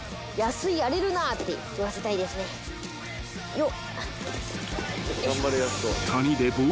よっ。